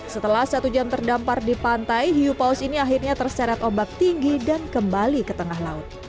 setelah satu jam terdampar di pantai hiu paus ini akhirnya terseret ombak tinggi dan kembali ke tengah laut